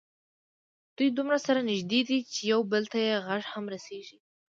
دوی دومره سره نږدې دي چې یو بل ته یې غږ هم رسېږي.